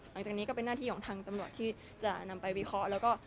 หลังจากนี้ก็เป็นหน้าที่ของทางตำรวจที่จะนำไปวิเคราะห์แล้วก็